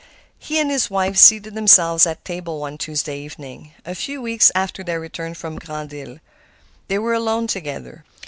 He and his wife seated themselves at table one Tuesday evening, a few weeks after their return from Grand Isle. They were alone together.